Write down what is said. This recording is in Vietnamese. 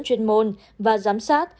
chuyên môn và giám sát